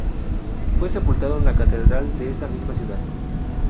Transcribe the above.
Fue sepultado en la Catedral de esa misma ciudad.